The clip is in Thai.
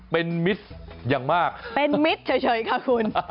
เป็นมิสยังมากเป็นมิสเฉยครับคุณ